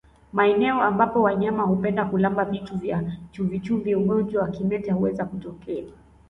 Maeneo ambapo wanyama hupenda kulamba vitu vya chumvichumvi ugonjwa wa kimeta huweza kutokea